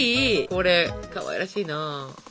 これかわいらしいな。